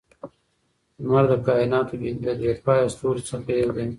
لمر د کائناتو د بې پایه ستورو څخه یو دی.